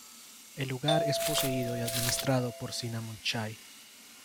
El lugar es poseído y administrado por Cinnamon Chai.